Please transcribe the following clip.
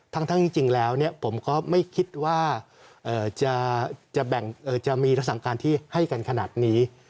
จริงแล้วผมก็ไม่คิดว่าจะมีรักษาการที่ให้กันขนาดนี้